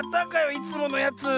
いつものやつ。